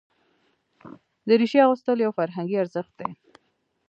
دریشي اغوستل یو فرهنګي ارزښت دی.